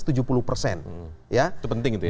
itu penting itu ya